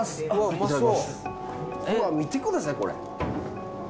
見てくださいこれ。